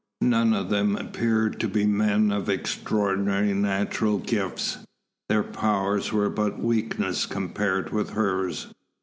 None of them appeared to be men of extraordinary natural gifts. Their powers were but weakness compared with hers.